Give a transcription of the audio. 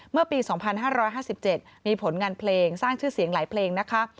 เมื่อปี๒๕๕๗มีผลงานเพลงสร้างชื่อเสียงหลายเพลงนะคะ